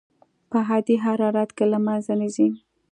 په عادي حرارت کې له منځه نه ځي.